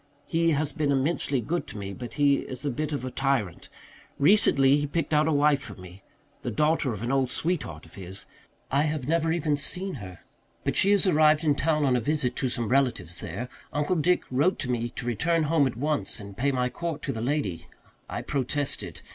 He has been immensely good to me, but he is a bit of a tyrant. Recently he picked out a wife for me the daughter of an old sweetheart of his. I have never even seen her. But she has arrived in town on a visit to some relatives there. Uncle Dick wrote to me to return home at once and pay my court to the lady; I protested.